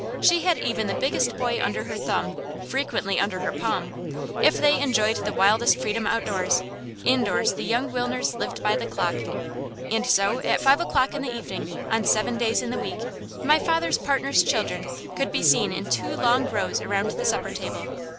She had even the biggest boy under her thumb, frequently under her palm. If they enjoyed the wildest freedom outdoors, indoors the young Wilners lived by the clock. And so at five o'clock in the evening, on seven days in the week, my father's partner's children could be seen in two long rows around the supper table.